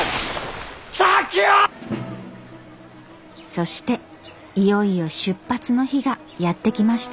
そしていよいよ出発の日がやって来ました。